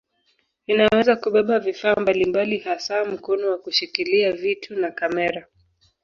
Inaweza kubeba vifaa mbalimbali hasa mkono wa kushikilia vitu na kamera.